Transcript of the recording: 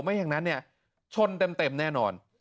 ไม่อย่างนั้นชนเต็มแน่นอน